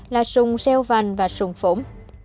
là sùng xeo vành và sùng phủm